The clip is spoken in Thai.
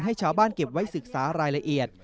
ให้ชาวบ้านเก็บไว้ศึกษารายละเอียด